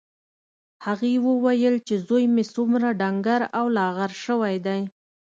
هغې وویل چې زوی مې څومره ډنګر او لاغر شوی دی